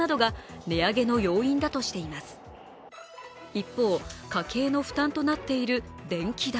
一方、家計の負担となっている電気代。